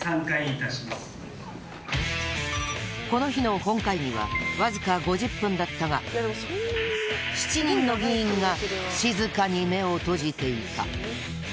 この日の本会議はわずか５０分だったが７人の議員が静かに目を閉じていた。